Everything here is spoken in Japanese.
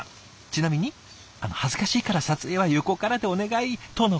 ちなみに「恥ずかしいから撮影は横からでお願い！」とのこと。